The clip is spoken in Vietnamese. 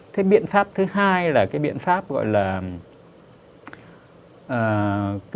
cái biện pháp thứ hai là cái biện pháp gọi là